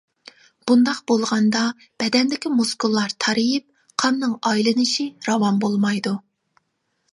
بۇنداق بولغاندا بەدەندىكى مۇسكۇللار تارىيىپ، قاننىڭ ئايلىنىشى راۋان بولمايدۇ.